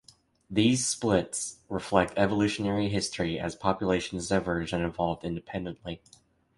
These splits reflect evolutionary history as populations diverged and evolved independently.